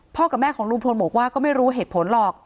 กับแม่ของลุงพลบอกว่าก็ไม่รู้เหตุผลหรอก